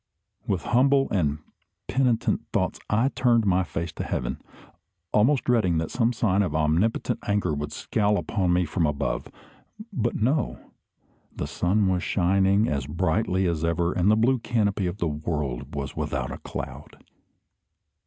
With humble and penitent thoughts I turned my face to heaven, almost dreading that some sign of omnipotent anger would scowl upon me from above. But no! The sun was shining as brightly as ever, and the blue canopy of the world was without a cloud.